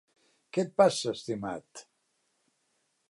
Què et passa, estimat?